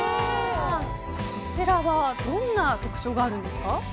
こちらはどんな特徴があるんですか？